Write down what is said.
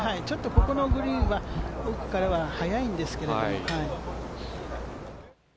ここのグリーンは奥からは速いんですけれども。